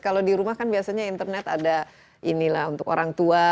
kalau di rumah kan biasanya internet ada inilah untuk orang tua